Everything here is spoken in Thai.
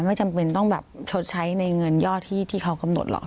ไม่จำเป็นต้องแบบชดใช้ในเงินยอดที่เขากำหนดหรอก